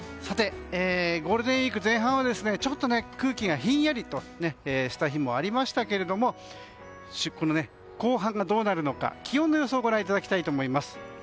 ゴールデンウィーク前半は空気がひんやりとした日もありましたが後半がどうなるのか気温の予想ご覧いただきます。